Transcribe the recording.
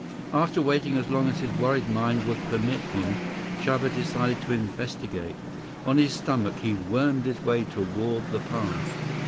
After waiting as long as his worried mind would permit him, Chuba decided to investigate. On his stomach, he wormed his way toward the path.